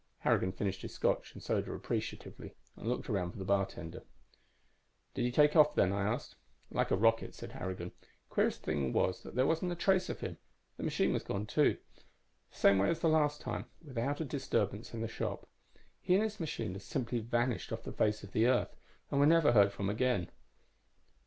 Harrigan finished his scotch and soda appreciatively and looked around for the bartender. "Did he take off then?" I asked. "Like a rocket," said Harrigan. "Queerest thing was that there wasn't a trace of him. The machine was gone, too the same way as the last time, without a disturbance in the shop. He and his machine had simply vanished off the face of the earth and were never heard from again.